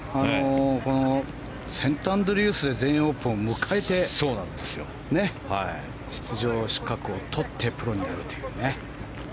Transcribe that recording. このセントアンドリュースで全英オープンを迎えて出場資格を取ってプロになるという。